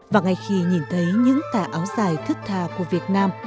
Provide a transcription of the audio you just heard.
và ngay khi nhìn thấy những tả áo dài thức thà của việt nam